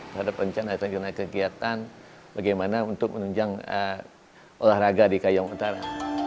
terhadap rencana rencana kegiatan bagaimana untuk menunjang olahraga di kayong utara